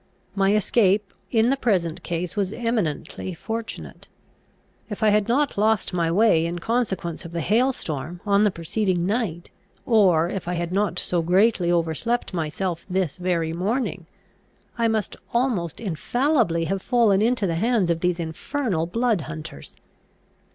My escape in the present case was eminently fortunate. If I had not lost my way in consequence of the hail storm on the preceding night, or if I had not so greatly overslept myself this very morning, I must almost infallibly have fallen into the hands of these infernal blood hunters.